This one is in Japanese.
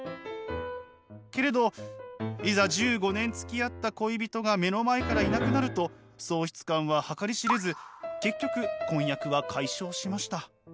けれどいざ１５年つきあった恋人が目の前からいなくなると喪失感は計り知れず結局婚約は解消しました。